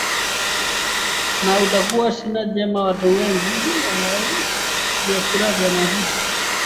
a utakuta siha njema watuwengi wanakula vyakula vya mafuta